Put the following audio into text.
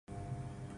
No audio.